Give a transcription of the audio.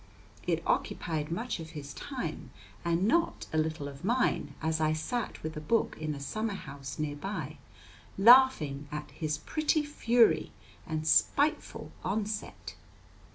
It occupied much of his time and not a little of mine, as I sat with a book in a summer house near by, laughing at his pretty fury and spiteful onset.